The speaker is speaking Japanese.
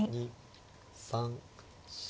３４。